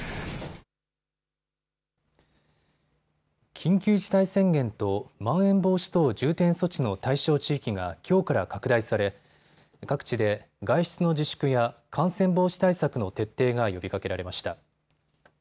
緊急事態宣言とまん延防止等重点措置の対象地域がきょうから拡大され各地で外出の自粛や感染防止対策の徹底が呼びかけられました。